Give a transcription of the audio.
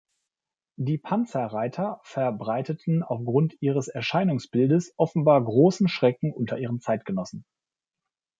Die Panzerreiter verbreiteten aufgrund ihres Erscheinungsbildes offenbar großen Schrecken unter ihren Zeitgenossen.